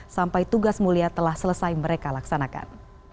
sampai tugas mulia telah selesai mereka laksanakan